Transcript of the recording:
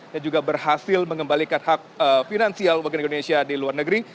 dan juga berhasil mengembalikan hak finansial warga negara indonesia di luar negeri